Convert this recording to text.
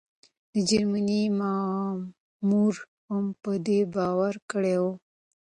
د جرمني مامور هم په ده باور کړی و.